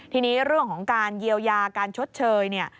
ทีนี้เรื่องของการเยียวยาการชดเชยเนี่ย